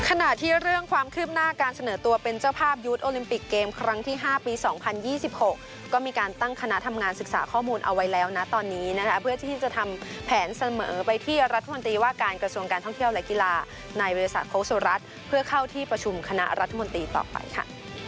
ขณะที่เรื่องความคืบหน้าการเสนอตัวเป็นเจ้าภาพยุทธ์โอลิมปิกเกมครั้งที่๕ปี๒๐๒๖ก็มีการตั้งคณะทำงานศึกษาข้อมูลเอาไว้แล้วนะตอนนี้นะคะเพื่อที่จะทำแผนเสมอไปที่รัฐมนตรีว่าการกระทรวงการท่องเที่ยวและกีฬาในบริษัทโค้สุรัตน์เพื่อเข้าที่ประชุมคณะรัฐมนตรีต่อไปค่ะ